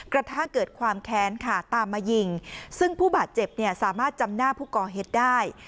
กระทั่งเกิดความแค้นค่ะตามมายิงซึ่งผู้บาดเจ็บเนี่ยสามารถจำหน้าผู้ก่อเหตุได้